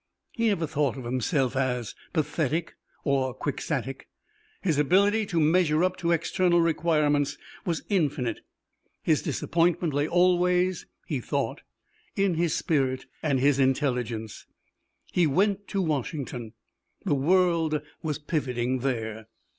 He never thought of himself as pathetic or quixotic; his ability to measure up to external requirements was infinite; his disappointment lay always (he thought) in his spirit and his intelligence. He went to Washington: the world was pivoting there.